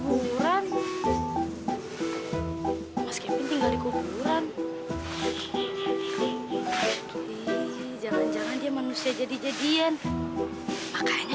gimana sih alamatnya dikuburan tinggal dikuburan jangan jangan dia manusia jadi jadian makanya